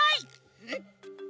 えっ？